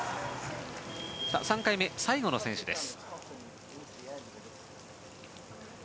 ３回目、最後の選手です。